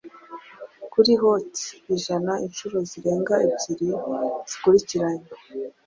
kuri Hot ijana inshuro zirenga ebyiri zikurikiranya